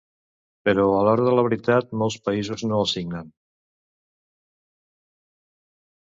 però a l'hora de la veritat molts països no els signen